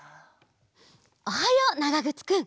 おはようながぐつくん！